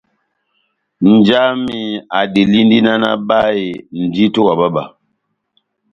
Nja wami adelindi náh nabáhe ndito wa bába.